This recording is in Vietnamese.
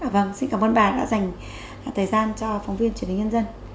vâng xin cảm ơn bà đã dành thời gian cho phóng viên truyền hình nhân dân